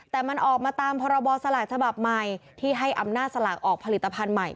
แต่มันออกมาตามพรบสลากฉบับใหม่ที่ให้อำนาจสลากออกผลิตภัณฑ์ใหม่